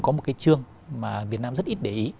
có một cái chương mà việt nam rất ít để ý